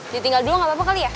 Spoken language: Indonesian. ditinggal dulu gak apa apa kali ya